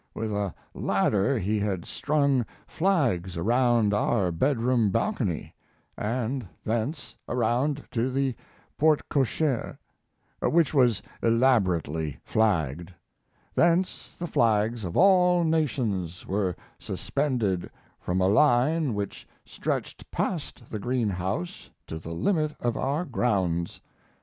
With a ladder he had strung flags around our bedroom balcony, and thence around to the porte cochere, which was elaborately flagged; thence the flags of all nations were suspended from a line which stretched past the greenhouse to the limit of our grounds.